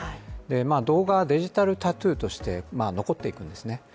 動画デジタルタトゥーとして、残っていくんですね。